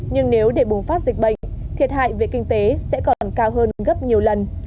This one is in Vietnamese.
nhưng nếu để bùng phát dịch bệnh thiệt hại về kinh tế sẽ còn cao hơn gấp nhiều lần